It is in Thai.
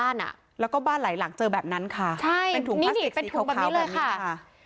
ลหลายล้างเจอแบบนั้นค่ะเป็นถุงพลาสติกสีขาวขาว